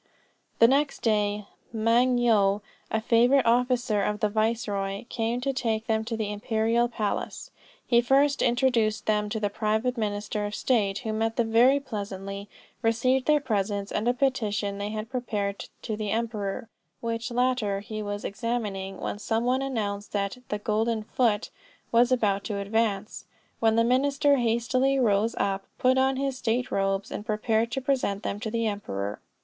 The next day, Moung Yo, a favorite officer of the viceroy, came to take them to the imperial palace. He first introduced them to the private minister of state, who met them very pleasantly, received their presents, and a petition they had prepared to the emperor, which latter he was examining when some one announced that the 'golden foot' was about to advance; when the minister hastily rose up, put on his state robes, and prepared to present them to the emperor.